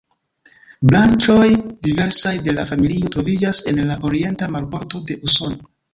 Branĉoj diversaj de la familio troviĝas en la Orienta marbordo de Usono.